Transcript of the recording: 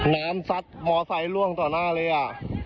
น้ำซัดมอเตอร์ไซต์ล่วงต่อหน้าเลยอ่ะ